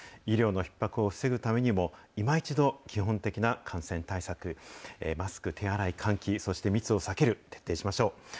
医療のひっ迫を防ぐためにも、いま一度基本的な感染対策、マスク、手洗い、換気、そして密を避ける、徹底しましょう。